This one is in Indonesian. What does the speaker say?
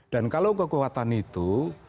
dan kalau kekuatan itu